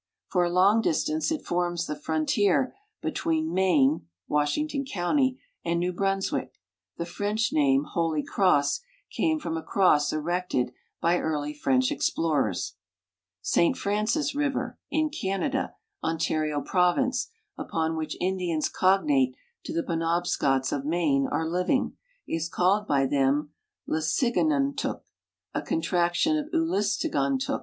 For a long distance it forms the frontier between Maine (Washington county) and New Brunswick. The' French name, " Holy Cross," came frohi a cross erected by early French explorers. St Francis river, in Canada, Ontario province, upon which Indians cognate to the Penobscots of Maine are living, is called by them Lesigantuk, a contraction of Ulastigan tuk.